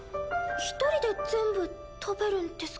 一人で全部食べるんですか？